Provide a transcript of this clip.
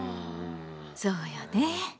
そうよね。